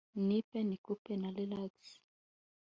Nipe Nikupe na Relax